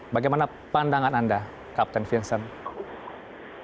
bagaimana pandangan anda kapten vincent